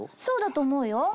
そうだと思うよ。